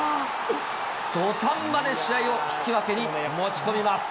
土壇場で試合を引き分けに持ち込みます。